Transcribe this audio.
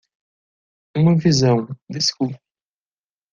Uma visão desculpe